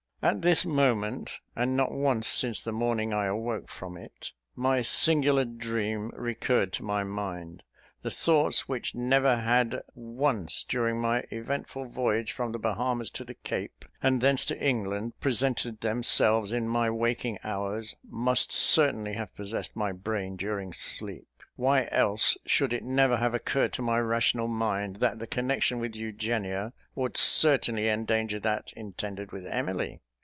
At this moment (and not once since the morning I awoke from it) my singular dream recurred to my mind. The thoughts which never had once during my eventful voyage from the Bahamas to the Cape, and thence to England, presented themselves in my waking hours, must certainly have possessed my brain during sleep. Why else should it never have occurred to my rational mind that the connection with Eugenia would certainly endanger that intended with Emily?